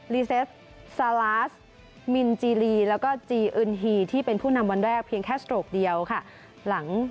รีเซฟซาลาสมินจีลีแล้วก็จีอึนฮีที่เป็นผู้นำวันแรกเพียงแค่สโตรกเดียวค่ะหลัง